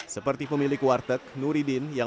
seperti pemilik warteg nuridin